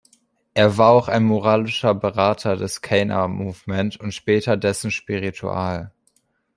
Er war auch ein „moralischer Berater“ des "Cana Movement" und später dessen Spiritual.